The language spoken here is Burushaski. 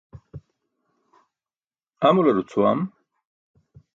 Amular ucʰuwam.